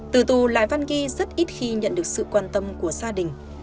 từ tù lại văn ghi rất ít khi nhận được sự quan tâm của gia đình